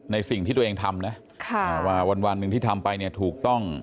สิ่งที่ตัวเองทำนะว่าวันหนึ่งที่ทำไปเนี่ยถูกต้อง